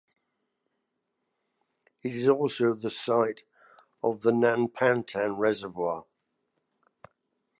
It is also the site of the Nanpantan Reservoir.